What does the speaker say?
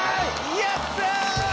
やったー！